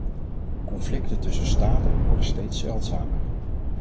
Conflicten tussen staten worden steeds zeldzamer.